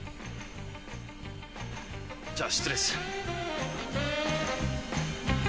じゃ失礼する。